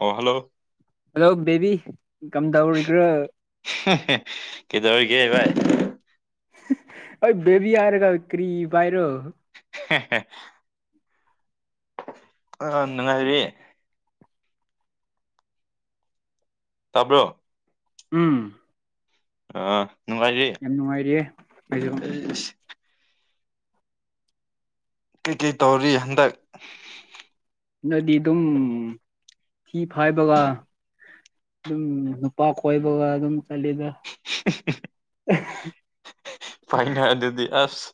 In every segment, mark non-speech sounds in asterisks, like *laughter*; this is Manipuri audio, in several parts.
ꯑꯣ ꯍꯜꯂꯣ ꯍꯜꯂꯣ ꯕꯦꯕꯤ ꯀꯝꯗꯧꯔꯤꯒ꯭ꯔ ꯍꯦ ꯍꯦ ꯀꯩꯗꯧꯔꯤꯒꯦ ꯚꯥꯏ ꯍꯣꯏ ꯕꯦꯕꯤ ꯍꯥꯏꯔꯒ ꯀꯔꯤ ꯚꯥꯏꯔꯣ ꯍꯦꯍꯦ ꯑꯥ ꯅꯨꯡꯉꯥꯏꯔꯤ ꯇꯥꯕ꯭ꯔꯣ ꯎꯝ ꯑꯥ ꯅꯨꯡꯉꯥꯏꯔꯤ ꯌꯥꯝ ꯅꯨꯡꯉꯥꯏꯔꯤꯌꯦ ꯑꯩꯁꯨ ꯑꯩꯁ ꯀꯩ ꯀꯩ ꯇꯧꯔꯤ ꯍꯟꯗꯛ ꯅꯣꯏꯗꯤ ꯑꯗꯨꯝ ꯊꯤ ꯐꯥꯏꯕꯒ ꯑꯗꯨꯝ ꯅꯨꯄꯥ ꯀꯣꯏꯕꯒ ꯑꯗꯨꯝ ꯆꯠꯂꯤꯗ ꯐꯥꯏꯅ ꯑꯗꯨꯗꯤ ꯑꯁ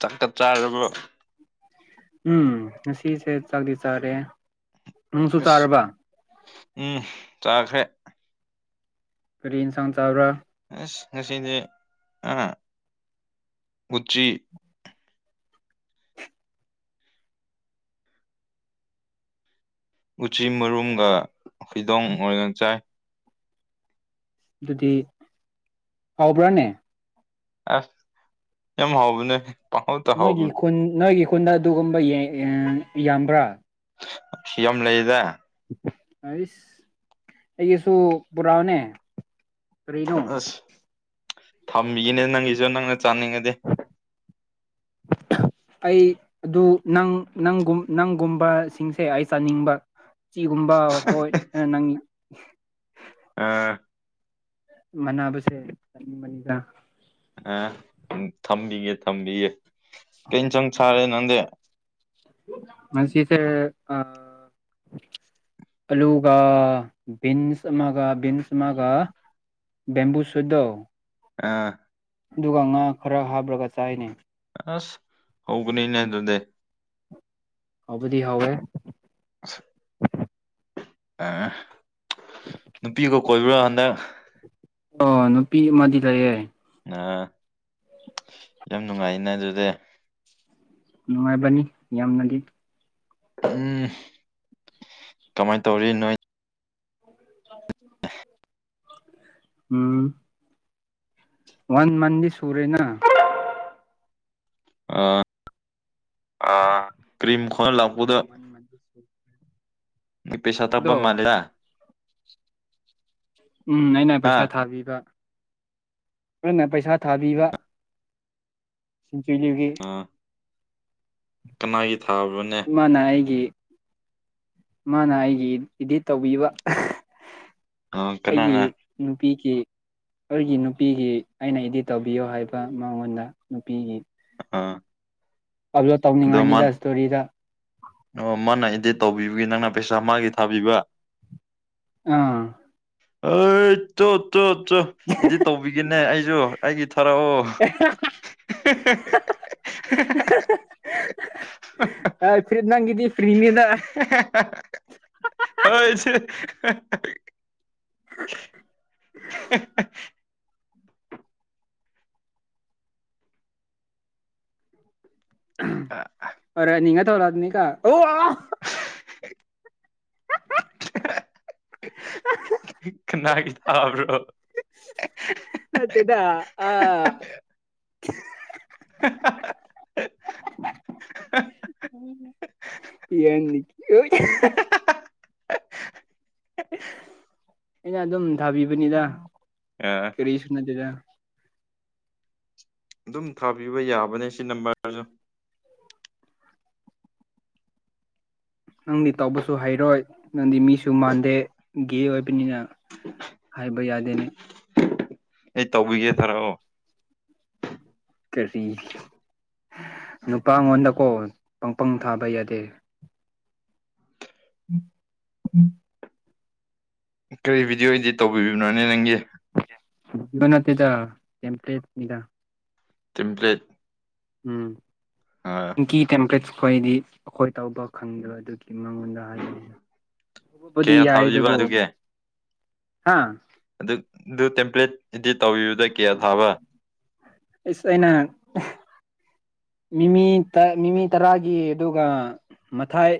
ꯆꯥꯛꯀ ꯆꯥꯔꯕꯣ ꯎꯝ ꯉꯁꯤꯁꯦ ꯆꯥꯛꯗꯤ ꯆꯥꯔꯦ ꯅꯨꯡꯁꯨ ꯑꯁ ꯆꯥꯔꯕ ꯎꯝ ꯆꯥꯈ꯭ꯔꯦ ꯀꯔꯤ ꯏꯟꯁꯥꯡ ꯆꯕ꯭ꯔꯥ ꯑꯁ ꯉꯁꯤꯗꯤ ꯑꯥ ꯎꯇ꯭ꯔꯤ ꯎꯆꯤ ꯃꯔꯨꯝꯒ ꯐꯤꯗꯣꯡ ꯑꯣꯏꯅ ꯆꯥꯏ ꯑꯗꯨꯗꯤ ꯍꯥꯎꯕ꯭ꯔꯥꯅꯦ ꯑꯁ ꯌꯥꯝ ꯍꯥꯎꯕꯅꯦ ꯄꯪꯍꯥꯎꯇ ꯅꯣꯏꯒꯤ ꯍꯥꯎꯕꯅꯦ ꯈꯨꯟ ꯅꯣꯏꯒꯤ ꯈꯨꯟꯗ ꯑꯗꯨꯒꯨꯝꯕ ꯌꯦꯡ ꯑꯥ ꯌꯥꯝꯕ꯭ꯔꯥ ꯌꯥꯝ ꯂꯩꯗ ꯑꯩꯁ ꯑꯩꯒꯤꯁꯨ ꯄꯨꯔꯛꯎꯅꯦ ꯀꯔꯤꯅꯣ ꯊꯝꯃꯤꯅꯦ ꯅꯪꯒꯤꯁꯨ ꯅꯪꯅ ꯆꯥꯅꯤꯡꯉꯗꯤ ꯑꯩ ꯑꯗꯨ ꯅꯪ ꯅꯪꯒꯨꯝ ꯅꯪꯒꯨꯝꯕꯁꯤꯡꯁꯦ ꯑꯩ ꯆꯥꯅꯤꯡꯕ ꯁꯨꯇꯤꯒꯨꯝꯕ ꯍꯣꯏ ꯑꯥ ꯅꯪ ꯑꯥ ꯃꯅꯥꯕꯁꯦ *unintelligible* ꯑꯥ ꯎꯝ ꯊꯝꯕꯤꯌꯦ ꯊꯝꯕꯤꯌꯦ ꯀꯩ ꯑꯦꯟꯁꯥꯡ ꯆꯥꯔꯦ ꯅꯪꯗꯤ ꯑꯥ ꯑꯂꯨꯒ ꯕꯤꯟꯁ ꯑꯃꯒ ꯕꯤꯟꯁ ꯑꯃꯒ ꯕꯦꯝꯕꯨ ꯁꯣꯏꯗꯣ ꯑꯥ ꯑꯗꯨꯒ ꯉꯥ ꯈꯔ ꯍꯥꯞꯔꯒ ꯆꯥꯏꯅꯦ ꯑꯁ ꯍꯥꯎꯕꯅꯤ ꯅꯦ ꯑꯗꯨꯗꯤ ꯍꯥꯎꯕꯗꯤ ꯍꯥꯎꯋꯦ *inaudible* *unintelligible* ꯑꯦ ꯅꯨꯄꯤꯒ ꯀꯣꯏꯕ꯭ꯔꯣ ꯍꯟꯗꯛ ꯑꯣ ꯅꯨꯄꯤ ꯑꯃꯗꯤ ꯂꯩꯌꯦ ꯑ ꯌꯥꯝ ꯅꯨꯡꯉꯥꯏꯅ ꯑꯗꯨꯗꯤ ꯅꯨꯡꯉꯥꯏꯕꯅꯤ ꯌꯥꯝꯅꯗꯤ ꯎꯝ ꯀꯃꯥꯏ ꯇꯧꯔꯤ ꯅꯣꯏ ꯎꯝ ꯋꯥꯟ ꯃꯟꯗꯤ ꯁꯨꯔꯦꯅ ꯑꯥ ꯑꯥ ꯀ꯭ꯔꯤꯝ ꯈꯣꯜꯂꯥ ꯂꯛꯄꯗ ꯁꯨ ꯅꯨꯞ ꯄꯩꯁꯥ ꯊꯞꯄ ꯑꯗꯣ ꯃꯥꯂꯦꯗꯥ ꯎꯝ ꯑꯩꯅ ꯍꯥ ꯄꯩꯁꯥ ꯊꯥꯕꯤꯕ ꯅꯪꯅ ꯄꯩꯁꯥ ꯊꯥꯕꯤꯕ ꯅꯨꯄꯤꯗꯨꯒꯤ ꯑꯥ ꯀꯅꯥꯒꯤ ꯊꯥꯕ꯭ꯔꯥꯅꯦ ꯃꯥꯅ ꯑꯩꯒꯤ ꯃꯥꯅ ꯑꯩꯒꯤ ꯏꯗꯤꯠ ꯇꯧꯕꯤꯕ ꯑꯍꯥ ꯑ ꯀꯅꯥꯅ ꯄꯤ ꯀꯦ ꯑꯩꯒꯤ ꯅꯨꯄꯤꯒꯤ ꯑꯩꯅ ꯏꯗꯤꯠ ꯇꯧꯕꯤꯌꯣ ꯍꯥꯏꯕ ꯃꯉꯣꯟꯗ ꯅꯨꯄꯤꯒꯤ ꯑꯥ ꯑꯕꯂꯣꯠ ꯑꯗꯣ ꯃꯥ ꯇꯧꯅꯤꯡꯉꯥꯏꯅꯤꯗ ꯏꯁꯇꯣꯔꯤꯗ ꯑꯣ ꯃꯥꯅ ꯏꯗꯤꯠ ꯇꯧꯕꯤꯕꯒꯤ ꯅꯪꯅ ꯄꯩꯁꯥ ꯃꯥꯒꯤ ꯊꯥꯕꯤꯕ ꯑꯥ ꯑꯩ ꯇꯣ ꯇꯣ ꯇꯣ ꯏꯗꯤꯠ ꯇꯧꯕꯤꯒꯦꯅꯦ ꯑꯩꯁꯨ ꯑꯩꯒꯤ ꯊꯥꯔꯛꯑꯣ ꯍꯍꯍꯍꯥ ꯍꯍꯍ ꯑ ꯐꯔꯤꯠ ꯅꯪꯒꯤꯗꯤ ꯐ꯭ꯔꯤꯅꯤꯗ ꯍꯍꯍꯍꯍ ꯍꯣꯏꯁꯦ ꯍꯍꯍꯍꯍꯥꯍꯥꯍꯥꯍ *unintelligible* ꯍꯥꯍꯥꯍꯥ ꯀꯥꯅꯒꯤ ꯊꯥꯕ꯭ꯔꯣ ꯅꯠꯇꯦꯗꯥ ꯑ ꯍꯍꯍꯍꯥꯍꯥꯍꯥꯍꯥ ꯌꯥꯅꯤ ꯑꯣꯏ ꯍꯥꯍꯥ ꯑꯩꯅ ꯑꯗꯨꯝ ꯊꯥꯕꯤꯕꯅꯦꯗ ꯑ ꯀꯔꯤꯁꯨ ꯅꯠꯇꯦꯗ ꯑꯗꯨꯝ ꯊꯥꯕꯤꯕ ꯌꯥꯕꯅꯦ ꯁꯤ ꯅꯝꯕꯔꯁꯨ ꯅꯪꯗꯤ ꯇꯧꯕꯁꯨ ꯍꯩꯔꯣꯏ ꯅꯪꯗꯤ ꯃꯤꯁꯨ ꯃꯥꯟꯗꯦ ꯒꯦ ꯑꯣꯏꯕꯅꯤꯅ ꯍꯥꯏꯕ ꯌꯥꯗꯦꯅꯦ ꯑꯩ ꯇꯧꯕꯤꯒꯦ ꯊꯥꯔꯛꯑꯣ ꯀꯔꯤ *unintelligible* ꯅꯨꯄꯥ ꯉꯣꯟꯗꯀꯣ ꯄꯪꯄꯪ ꯊꯥꯕ ꯌꯥꯗꯦ *unintelligible* *inaudible* ꯀꯔꯤ ꯚꯤꯗꯤꯑꯣ ꯏꯗꯤꯠ ꯇꯧꯕꯤꯕꯅꯣꯅꯦ ꯅꯪꯒꯤ ꯕ ꯅꯠꯇꯦꯗ ꯀꯦꯝꯇꯦꯠ ꯅꯤꯗ ꯇꯦꯝ ꯄ꯭ꯂꯦꯠ ꯎꯝ ꯄꯤꯡꯀꯤ ꯇꯦꯝꯄ꯭ꯂꯦꯠꯁ ꯈꯣꯏꯗꯤ ꯑꯩꯈꯣꯏ ꯇꯧꯕ ꯈꯪꯗꯕ ꯑꯗꯨꯒꯤ ꯃꯪꯉꯣꯟꯗ ꯍꯥꯏꯕꯅꯤꯗ ꯀꯌꯥ *unintelligible* ꯊꯥꯕꯤꯕ ꯌꯥꯏꯗꯒꯣ ꯑꯗꯨꯒꯤ ꯍꯥ ꯑꯗꯨ ꯑꯗꯨ ꯇꯦꯝꯄ꯭ꯂꯦꯠ ꯏꯗꯤꯠ ꯇꯧꯕꯤꯕꯗ ꯀꯌꯥ ꯊꯥꯕ ꯑꯩꯁ ꯑꯩꯅ ꯃꯤꯃꯤ ꯃꯤꯃꯤ ꯇꯔꯥꯒꯤ ꯑꯗꯨꯒ ꯃꯊꯥꯏ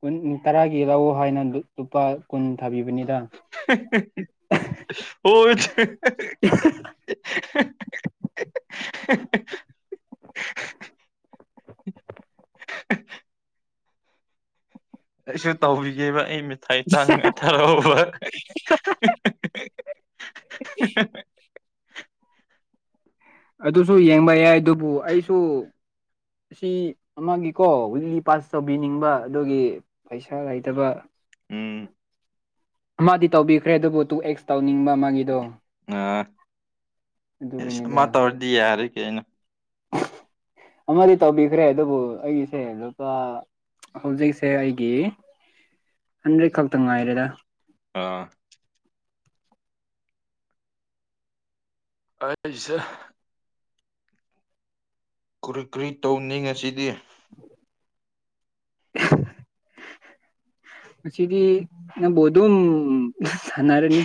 ꯀꯨꯟ ꯇꯔꯥꯒꯤ ꯂꯧ ꯍꯥꯏꯅ ꯂꯨꯄꯥ ꯀꯨꯟ ꯊꯥꯕꯤꯕꯅꯤꯗ *unintelligible* *unintelligible* *unintelligible* ꯑꯩꯁꯨ ꯇꯧꯕꯤꯒꯦꯕ ꯑꯩ ꯃꯤꯊꯥꯏ ꯆꯥꯅꯤꯡꯉꯥꯏ ꯊꯥꯔꯛꯎꯕ *inaudible* ꯑꯗꯨꯁꯨ ꯌꯦꯡꯕ ꯌꯥꯏ ꯗꯨꯕꯨ ꯑꯩꯁꯨ ꯑꯁꯤ ꯑꯃꯒꯤꯀꯣ ꯋꯤꯛꯂꯤ ꯄꯥꯁ ꯇꯧꯕꯤꯅꯤꯡꯕ ꯑꯗꯨꯒꯤ ꯄꯩꯁꯥ ꯂꯩꯇꯕ ꯎꯝ ꯑꯃꯗꯤ ꯇꯧꯕꯤꯈ꯭ꯔꯦ ꯑꯗꯨꯕꯨ ꯇꯨ ꯑꯦꯛꯁ ꯇꯧꯅꯤꯡꯕ ꯑꯃꯒꯤꯗꯣ ꯑꯥ ꯏꯁ ꯑꯃ ꯑꯗꯨꯒꯤꯅꯤꯗ ꯇꯧꯔꯗꯤ ꯌꯥꯔꯦ ꯀꯩꯅꯣ ꯑꯃꯗꯤ ꯇꯧꯕꯤꯈ꯭ꯔꯦ ꯑꯗꯨꯕꯨ ꯑꯩꯁꯦ ꯂꯨꯄꯥ ꯍꯧꯖꯤꯛꯁꯦ ꯑꯩꯒꯤ ꯍꯟꯗ꯭ꯔꯦꯠ ꯈꯛꯇ ꯉꯥꯏꯔꯦꯔ ꯑꯥ ꯑ ꯑꯩꯁꯦ ꯀꯨꯔꯤ ꯀꯨꯔꯤ ꯇꯧꯅꯤ ꯉꯁꯤꯗꯤ *inaudible* ꯉꯁꯤꯗꯤ ꯅꯪꯕꯨ ꯑꯗꯨꯝ ꯁꯥꯅꯔꯅꯤ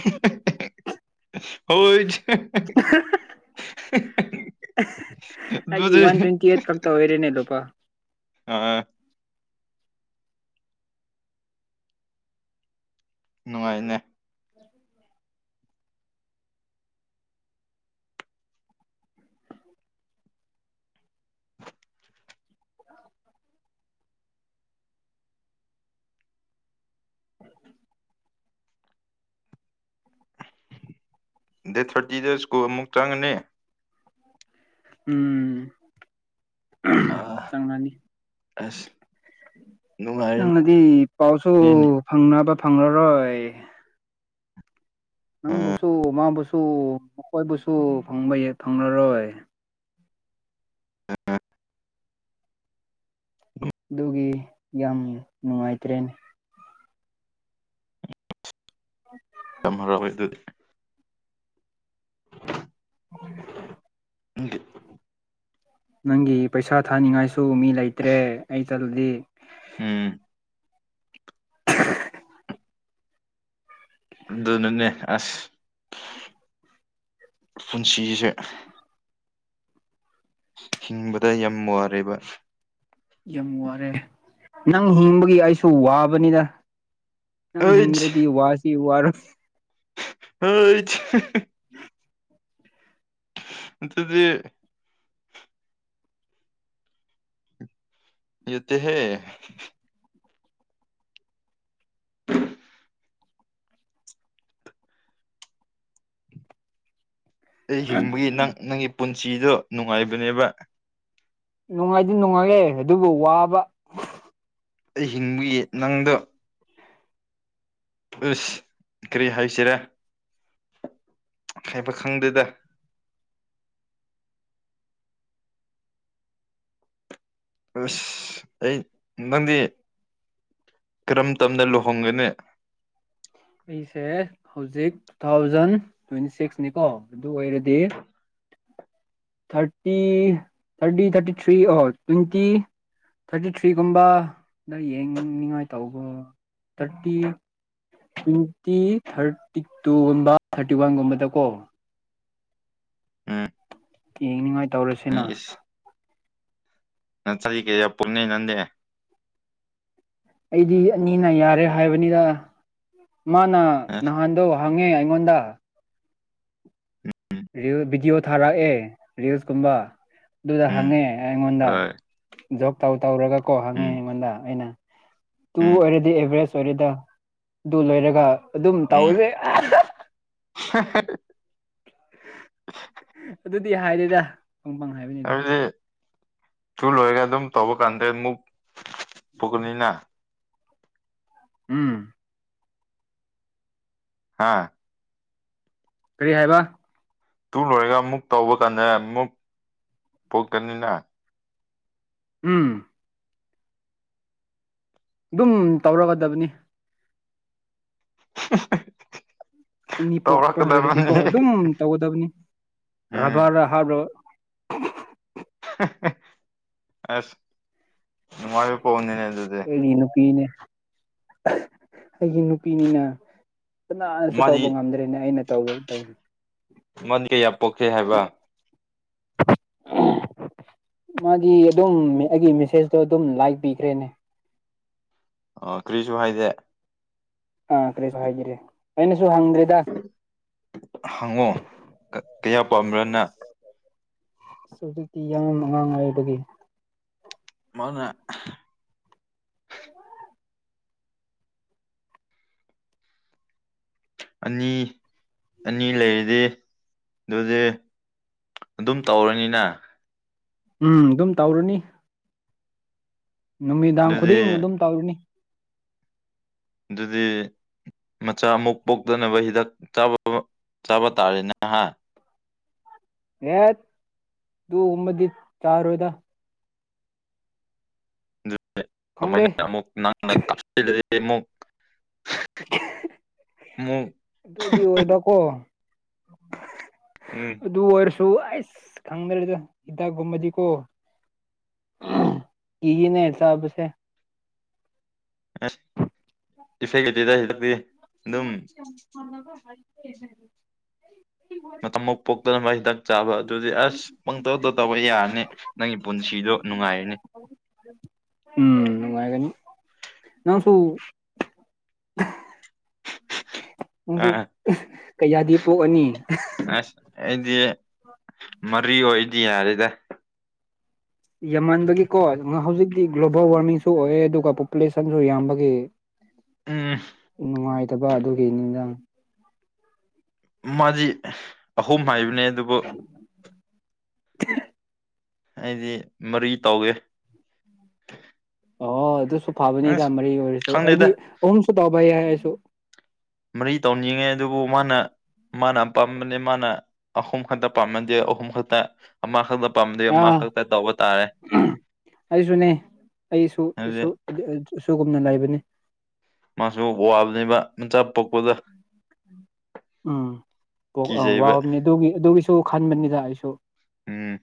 ꯍꯣꯏ ꯑꯩꯒꯤ ꯑꯗꯨꯗꯤ ꯋꯥꯟ ꯇ꯭ꯋꯦꯟꯇꯤ ꯑꯦꯠ ꯈꯛ ꯇ ꯑꯣꯏꯔꯦꯅꯦ ꯂꯨꯄꯥ ꯑꯥ ꯅꯨꯡꯉꯥꯏꯅꯦ ꯗꯦ ꯊ꯭ꯔꯇꯤꯗ ꯁ꯭ꯀꯨꯜ ꯑꯃꯨꯛ ꯆꯪꯉꯅꯤ ꯎꯝ ꯑ ꯆꯪꯂꯅꯤ ꯑꯁ ꯅꯨꯡꯉꯥꯏꯔꯅꯤꯅꯦ ꯅꯪꯅꯗꯤ ꯄꯥꯎꯁꯨ ꯌꯥꯝ ꯐꯪꯅꯕ ꯐꯪꯉꯔꯣꯏ ꯅꯪꯕꯨꯁꯨ ꯃꯥꯕꯨꯁꯨ ꯁꯨ ꯃꯈꯣꯏꯕꯨꯁꯨ ꯐꯪꯕ ꯐꯪꯂꯔꯣꯏ ꯗꯨꯒꯤ ꯌꯥꯝ ꯅꯨꯡꯉꯥꯏꯇ꯭ꯔꯦꯅꯦ ꯌꯥꯝ ꯍꯔꯥꯎꯋꯦ ꯑꯗꯨꯗꯤ *unintelligible* ꯅꯪꯒꯤ ꯄꯩꯁꯥ ꯊꯥꯅꯤꯡꯉꯥꯏꯁꯨ ꯃꯤ ꯂꯩꯇ꯭ꯔꯦ ꯑꯩ ꯆꯠꯂꯗꯤ ꯎꯝ ꯗꯨꯅꯅꯦ ꯑꯁ ꯄꯨꯟꯁꯤꯁꯦ ꯍꯤꯡꯕꯗ ꯌꯥꯝ ꯋꯥꯔꯦꯕ ꯌꯥꯝ ꯋꯥꯔꯦ ꯅꯪ ꯍꯤꯡꯕꯒꯤ ꯑꯩꯁꯨ ꯋꯥꯕꯅꯤꯗ ꯅꯪ ꯍꯤꯡꯗ꯭ꯔꯗꯤ ꯋꯥꯗꯤ ꯋꯥꯔꯣꯏ ꯍꯩꯠ ꯑꯗꯨꯗꯤ ꯌꯦꯠꯇꯦ ꯍꯦ ꯑꯩ ꯍꯤꯡꯕꯒꯤ ꯅꯪ ꯅꯪꯒꯤ ꯄꯨꯟꯁꯤꯗꯣ ꯅꯨꯡꯉꯥꯏꯕꯅꯦꯕ ꯅꯨꯡꯉꯥꯏꯗꯤ ꯅꯨꯡꯉꯥꯏꯌꯦ ꯑꯗꯨꯕꯨ ꯋꯥꯕ ꯑꯩ ꯍꯤꯡꯕꯒꯤ ꯅꯪꯗꯣ ꯑꯁ ꯀꯔꯤ ꯍꯥꯏꯁꯤꯔꯦ ꯍꯥꯏꯕ ꯈꯪꯗꯦꯗ ꯑꯁ ꯑꯩ ꯅꯪꯗꯤ ꯀꯔꯝ ꯇꯝꯗ ꯂꯨꯍꯣꯡꯒꯅꯤ ꯑꯩꯁꯦ ꯍꯧꯖꯤꯛ ꯇꯨꯊꯥꯎꯖꯟ ꯇ꯭ꯋꯦꯟꯇꯤ ꯁꯤꯛꯁꯅꯤꯀꯣ ꯑꯗꯨ ꯑꯣꯏꯔꯗꯤ *inaudible* thirty thirty thirty three or twenty thirty ꯊ꯭ꯔꯤꯒꯨꯝꯕ ꯗ ꯌꯦꯡꯅꯤꯡꯉꯥꯏ ꯇꯧꯕ ꯊꯥꯔꯇꯤ ꯇ꯭ꯋꯦꯟꯇꯤ ꯊꯥꯔꯇꯤ ꯇꯨꯒꯨꯝꯕ ꯊꯥꯔꯇꯤ ꯋꯥꯟꯒꯨꯝꯕꯗꯀꯣ ꯎꯝ ꯌꯦꯡꯅꯤꯉꯥꯏ ꯇꯧꯔꯁꯤꯅ ꯏꯁ *unintelligible* ꯑꯩꯗꯤ ꯑꯅꯤꯅ ꯌꯥꯔꯦ ꯍꯥꯏꯕꯅꯤꯗ ꯃꯥꯅ ꯑꯁ ꯅꯍꯥꯟꯗꯣ ꯍꯪꯉꯦ ꯑꯩꯉꯣꯟꯗ ꯔꯤꯜ ꯚꯤꯗꯤꯑꯣ ꯊꯥꯔꯛꯑꯦ ꯔꯤꯜꯁꯀꯨꯝꯕ ꯑꯗꯨꯗ ꯎꯝ ꯍꯪꯉꯦ ꯑꯩꯉꯣꯟꯗ ꯍꯣꯏ ꯖꯣꯕ ꯇꯧ ꯇꯧꯔꯒ ꯀꯣ ꯍꯪꯉꯦ ꯎꯝ ꯑꯩꯉꯣꯟꯗ ꯑꯩꯅ ꯇꯨ ꯎꯝ ꯑꯣꯏꯔꯗꯤ ꯑꯦꯚ꯭ꯔꯦꯖ ꯑꯣꯏꯔꯦꯗ ꯑꯗꯨ ꯂꯣꯏꯔꯒ ꯑꯗꯨꯝ ꯇꯧꯋꯁꯦ ꯍꯍ ꯑꯗꯨꯗꯤ ꯍꯥꯏꯔꯦꯗ ꯄꯪ ꯄꯪ ꯍꯥꯏꯕꯅꯤꯗ ꯍꯥꯏꯕꯗꯤ ꯇꯨ ꯂꯣꯏꯔꯒ ꯑꯗꯨꯝ ꯇꯧꯕ ꯀꯥꯟꯗ ꯃꯨꯛ ꯄꯨꯀꯅꯤꯅ ꯎꯝ ꯍꯥꯥ ꯀꯔꯤ ꯍꯥꯏꯕ ꯇꯨ ꯂꯣꯏꯔꯒ ꯑꯃꯨꯛ ꯇꯧꯕ ꯀꯥꯟꯗ ꯃꯨꯛ ꯄꯣꯛꯀꯅꯤꯅ ꯎꯝ ꯑꯗꯨꯝ ꯇꯧꯔꯒꯗꯕꯅꯤ ꯍꯍ *unintelligible* ꯑꯅꯤ ꯄꯣꯛꯄ ꯂꯣꯏꯔꯗꯤꯀꯣ ꯑꯗꯨꯝ ꯇꯧꯒꯗꯕꯅꯤ ꯎꯝ *unintelligible* *unintelligible* ꯍ ꯍ ꯑꯁ ꯅꯨꯉꯥꯢꯕ ꯄꯥꯎꯅꯤꯅꯦ ꯑ ꯑꯩꯒꯤ ꯅꯨꯄꯤꯅꯦ ꯑꯩꯒꯤ ꯅꯨꯄꯤꯅꯤꯅ ꯀꯅꯥꯅꯁꯨ ꯃꯥꯗꯤ ꯇꯧꯕ ꯉꯝꯗ꯭ꯔꯦꯅꯦ ꯑꯩꯅ ꯇꯧꯕ ꯇꯧꯅꯤ ꯃꯥꯗꯤ ꯀꯌꯥ ꯄꯣꯛꯀꯦ ꯍꯥꯏꯕ *inaudible* ꯃꯥꯗꯤ ꯑꯗꯨꯝ ꯑꯩꯒꯤ ꯃꯦꯁꯦꯖꯇꯣ ꯑꯗꯨꯝ ꯂꯥꯏꯛ ꯄꯤꯈ꯭ꯔꯦꯅꯦ ꯑ ꯀ꯭ꯔꯤꯁꯨ ꯍꯥꯏꯗꯦ ꯑ ꯀꯔꯤꯁꯨ ꯍꯥꯏꯕꯤ *unintelligible* ꯍꯪꯉꯣ ꯀ ꯀꯌꯥ ꯄꯥꯝꯕ꯭ꯔꯅ ꯍꯨꯖꯤꯛꯇꯤ *unintelligible* ꯃꯥꯅ ꯑꯅꯤ ꯑꯅꯤ ꯂꯩꯔꯗꯤ ꯑꯗꯨꯗꯤ ꯑꯗꯨꯝ ꯇꯧꯔꯅꯤꯅ ꯎꯝ ꯑꯗꯨꯝ ꯇꯧꯔꯨꯅꯤ ꯅꯨꯃꯤꯗꯥꯡ ꯑꯗꯨꯗꯤ ꯈꯨꯗꯤꯡ ꯑꯗꯨꯝ ꯇꯧꯔꯅꯤ ꯗꯨꯗꯤ ꯃꯆꯥ ꯑꯃꯨꯛ ꯄꯣꯛꯇꯅꯕ ꯍꯤꯗꯥꯛ ꯆꯥꯕ ꯆꯥꯕ ꯇꯥꯔꯦꯅꯦꯍꯥ ꯑꯦ ꯑꯗꯨꯒꯨꯝꯕꯗꯤ ꯆꯥꯔꯣꯏꯗ ꯈꯪꯗꯦ ꯃꯥꯏꯅ ꯑꯃꯨꯛ ꯅ ꯃꯨꯛ *unintelligible* ꯑꯗꯨꯗꯤ ꯑꯣꯏꯕꯀꯣ ꯎꯝ ꯑꯗꯨ ꯑꯣꯏꯔꯁꯨ ꯑꯁ ꯈꯪꯗ꯭ꯔꯦꯗ ꯍꯤꯗꯥꯛꯒꯨꯝꯕꯗꯤ ꯀꯣ ꯀꯤꯌꯦꯅꯦ ꯆꯥꯕꯁꯦ ꯑꯁ *unintelligible* *unintelligible* ꯃꯇꯝ ꯃꯨ ꯄꯣꯛꯇꯅꯕ ꯍꯤꯗꯥꯛ ꯆꯥꯕ ꯑꯗꯨꯗꯤ ꯑꯁ ꯄꯪꯇꯧꯗ ꯇꯧꯕ ꯌꯥꯔꯅꯤ ꯅꯪꯒꯤ ꯄꯨꯟꯁꯤ ꯁꯤꯗꯣ ꯅꯨꯡꯉꯥꯏꯔꯅꯤ ꯎꯝ ꯅꯨꯉꯥꯏꯒꯅꯤ ꯅꯪꯁꯨ ꯅꯪꯁꯨ ꯑꯥ ꯀꯩꯌꯥꯗꯤ ꯄꯣꯛꯑꯅꯤ ꯑꯁ ꯑꯩꯗꯤ ꯃꯔꯤ ꯑꯣꯏꯗꯤ ꯌꯥꯔꯦꯗ ꯌꯥꯝꯃꯟꯕꯒꯤꯀꯣ ꯍꯧꯖꯤꯛꯇꯤ ꯒ꯭ꯂꯣꯕꯜ ꯋꯥꯔꯃꯤꯡꯁꯨ ꯑꯣꯏ ꯑꯗꯨꯒ ꯄꯣꯄꯨꯂꯦꯁꯟꯁꯨ ꯌꯥꯝꯕꯒꯤ ꯎꯝ ꯐꯠꯇꯕ ꯑꯗꯨꯒꯤ ꯅꯤꯗ ꯃꯥꯗꯤ ꯑꯍꯨꯝ ꯍꯥꯏꯕꯅꯦ ꯑꯗꯨꯕꯨ ꯑꯩꯗꯤ ꯃꯔꯤ ꯇꯧꯒꯦ ꯑꯣ ꯑꯗꯨꯁꯨ ꯑꯁ ꯐꯕꯅꯤꯗ ꯃꯔꯤ ꯑꯣꯏꯔꯁꯨ ꯑꯩꯗꯤ ꯈꯪꯗꯦꯗ ꯑꯍꯨꯝꯁꯨ ꯇꯥꯎꯕ ꯌꯥꯏ ꯑꯩꯁꯨ ꯃꯔꯤ ꯇꯧꯅꯤꯡꯉꯦ ꯑꯗꯨꯕꯨ ꯃꯥꯅ ꯃꯥꯅ ꯑꯄꯥꯥꯝꯕꯅꯦ ꯃꯥꯅ ꯑꯍꯨꯝ ꯈꯛꯇ ꯄꯥꯝꯃꯗꯦ ꯑꯍꯨꯝ ꯈꯛꯇ ꯑꯃ ꯈꯛꯇ ꯄꯥꯝꯃꯗꯤ ꯑꯃꯥ ꯑꯥ ꯈꯛꯇ ꯇꯧꯕ ꯑꯩꯁꯨꯅꯦ ꯑꯩꯁꯨ ꯍꯥꯏꯕꯗꯤ ꯁꯨ *unintelligible* ꯁꯨꯒꯨꯝꯅ ꯂꯩꯕ ꯅꯤ ꯃꯥꯁꯨ ꯋꯥꯕꯅꯦꯕ ꯃꯆꯥ ꯄꯣꯛꯄꯗ ꯎꯝ ꯑ ꯀꯤꯖꯩꯕ ꯋꯥꯕꯅꯤ ꯑꯗꯨꯒꯤ ꯑꯗꯨꯒꯤꯁꯨ ꯈꯟꯕꯅꯤꯗ ꯑꯩꯁꯨ ꯎꯝ